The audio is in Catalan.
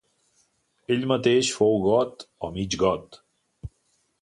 Ell mateix fou got o mig got.